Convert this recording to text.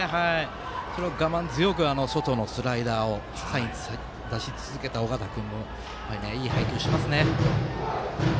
それを我慢強く外のスライダーのサインを出し続けた尾形君もいい配球をしますね。